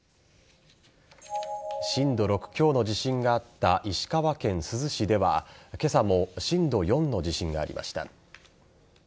震度６強の地震があった石川県珠洲市では今朝も震度４の地震がありました。